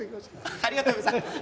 ありがとうございます。